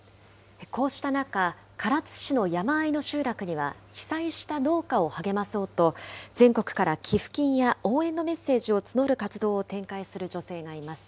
こうした中、唐津市の山あいの集落には被災した農家を励まそうと、全国から寄付金や応援のメッセージを募る活動を展開する女性がいます。